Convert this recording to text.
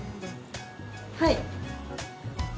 はい。